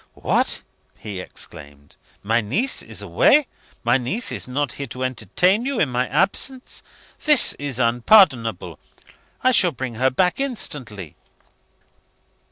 "What!" he exclaimed, "my niece is away? My niece is not here to entertain you in my absence? This is unpardonable. I shall bring her back instantly."